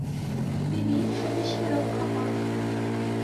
দিদি, সতীশকে রক্ষা করো।